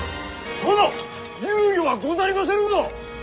殿猶予はござりませぬぞ！